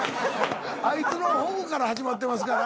アイツの保護から始まってますから。